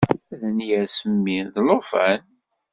Ad n-yers mmi d llufan.